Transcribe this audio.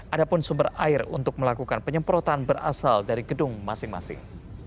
adapun sumber air untuk melakukan penyeprotan berasal dari gedung masing masing